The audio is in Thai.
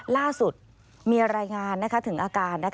ล่าสุดมีรายงานถึงอาการ